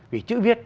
vì chữ viết